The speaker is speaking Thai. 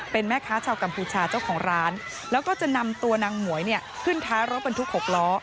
เป็นแม่ค้าชาวกัมพูชาเจ้าของร้านแล้วก็จะนำตัวนางหมวยเนี่ยขึ้นท้ายรถบรรทุก๖ล้อ